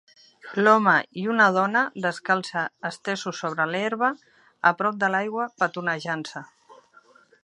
l'home i una dona descalça estesos sobre l'herba a prop de l'aigua petonejant-se